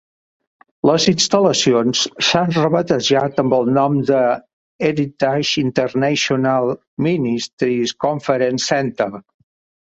Les instal·lacions s'han rebatejat amb el nom de Heritage International Ministries Conference Center.